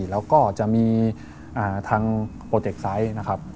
แล้วก็จะมีทางโปรเจกต์ไซต์นะครับ